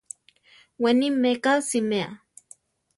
Weni meká siméa.